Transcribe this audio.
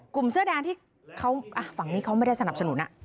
เสื้อแดงที่เขาฝั่งนี้เขาไม่ได้สนับสนุน